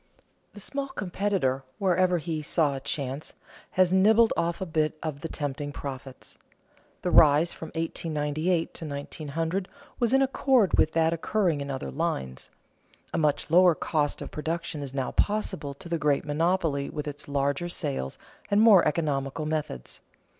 The small competitor, wherever he saw a chance, has nibbled off a bit of the tempting profits. The rise from 1898 to 1900 was in accord with that occurring in other lines. A much lower cost of production is now possible to the great monopoly with its larger sales and more economical methods.